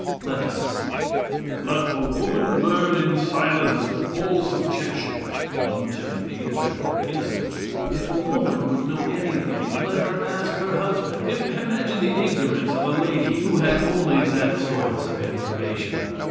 Let us see. "Let the woman learn in silence with all subjection." (1 Timothy ii, 11.) If a woman would know anything let her ask her husband. Imagine the ignorance of a lady who had only that source of information!